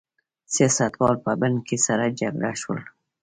سیاستوال په بن کې سره جرګه شول.